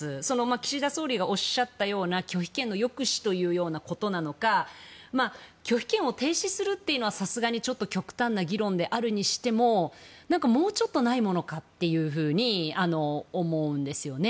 岸田総理がおっしゃったような拒否権の抑止というようなことか拒否権を停止するというのはさすがに極端な議論であるにしてももうちょっとないものかと思うんですよね。